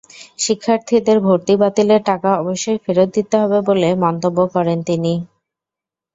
শিক্ষার্থীদের ভর্তি বাতিলের টাকা অবশ্যই ফেরত দিতে হবে বলে মন্তব্য করেন তিনি।